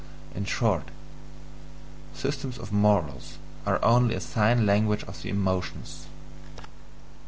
In short, systems of morals are only a SIGN LANGUAGE OF THE EMOTIONS.